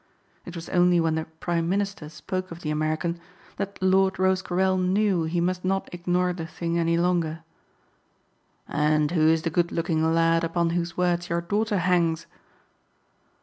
It was only when the prime minister spoke of the American that Lord Rosecarrel knew he must not ignore the thing any longer. "And who is the good looking lad upon whose words your daughter hangs?"